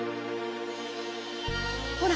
ほら！